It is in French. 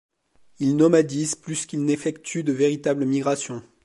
Il nomadise plus qu'il n'effectue de véritables migrations.